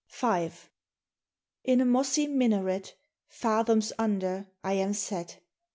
V. In a mossy minaret Fathoms under, I am set.